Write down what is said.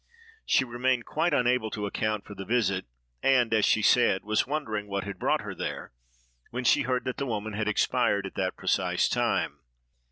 She remained quite unable to account for the visit, and, as she said, "was wondering what had brought her there," when she heard that the woman had expired at that precise time.